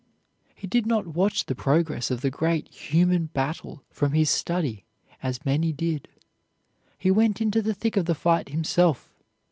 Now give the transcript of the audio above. He did not watch the progress of the great human battle from his study, as many did. He went into the thick of the fight himself.